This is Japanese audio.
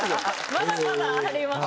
まだまだあります